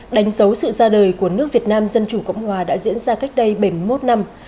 đánh dấu sự ra đời của nước việt nam dân chủ cộng hòa đã diễn ra cách đây bảy mươi một năm